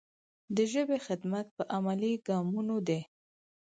د ژبې خدمت په عملي ګامونو دی.